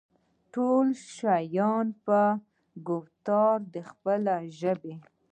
انسان تول شي پۀ ګفتار د خپلې ژبې